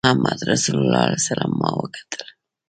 محمدرسول ماته وکتل.